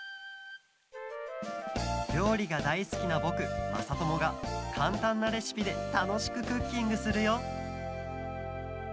りょうりがだいすきなぼくまさともがかんたんなレシピでたのしくクッキングするよ！